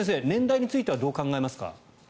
松本先生、年代についてはどう考えますか。